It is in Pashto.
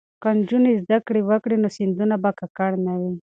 که نجونې زده کړې وکړي نو سیندونه به ککړ نه وي.